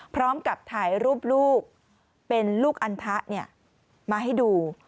พร้อมกับถ่ายรูปลูกเป็นลูกอันทะมาให้ดู